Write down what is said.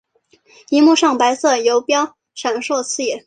萤幕上白色游标闪烁刺眼